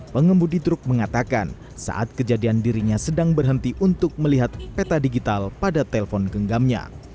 pengembudi truk mengatakan saat kejadian dirinya sedang berhenti untuk melihat peta digital pada telpon genggamnya